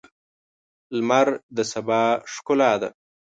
لمر د سبا ښکلا ده.